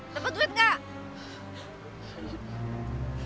dapat duit gak